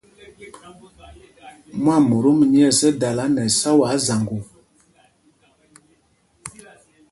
Mwâmotom nyɛ̂ɛs ɛ́ dala nɛ ɛsáwaa zaŋgo.